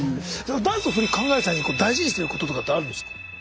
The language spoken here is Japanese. ダンスの振り考える際に大事にしてることとかってあるんですか？